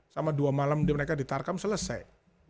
sama dua malam mereka di tarkam selesai